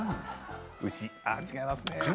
違いますね。